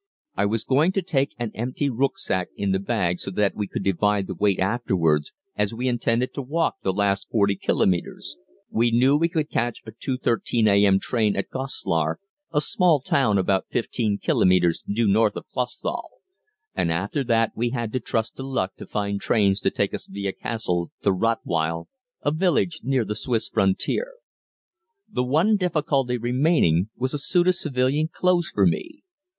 I was going to take an empty rücksack in the bag so that we could divide the weight afterwards, as we intended to walk the last 40 kilometres. We knew we could catch a 2.13 a.m. train at Goslar (a small town about 15 kilometres due north of Clausthal), and after that we had to trust to luck to find trains to take us via Cassel to Rotweil, a village near the Swiss frontier. The one difficulty remaining was a suit of civilian clothes for me.